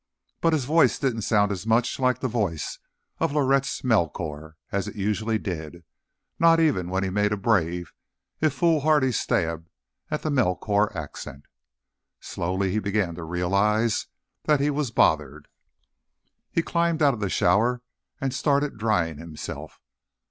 But his voice didn't sound as much like the voice of Lauritz Melchior as it usually did, not even when he made a brave, if foolhardy stab at the Melchior accent. Slowly, he began to realize that he was bothered. He climbed out of the shower and started drying himself.